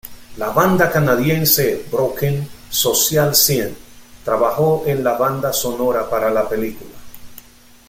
La banda canadiense Broken Social Scene trabajó en la banda sonora para la película.